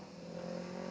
nggak ada pakarnya